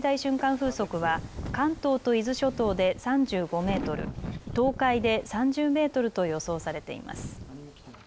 風速は関東と伊豆諸島で３５メートル、東海で３０メートルと予想されています。